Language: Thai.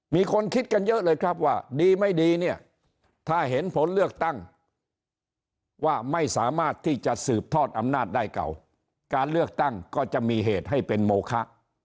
มีคนคิดกันเยอะเลยครับว่าดีไม่ดีเนี่ยถ้าเห็นผลเลือกตั้งว่าไม่สามารถที่จะสืบทอดอำนาจได้เก่าการเลือกตั้งก็จะมีเหตุให้เป็นโมคะ